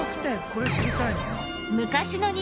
これ知りたいな。